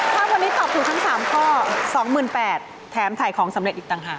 ถ้าวันนี้ตอบถูกทั้ง๓ข้อ๒๘๐๐บาทแถมถ่ายของสำเร็จอีกต่างหาก